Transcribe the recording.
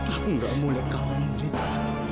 aku nggak mau lihat kamu menderita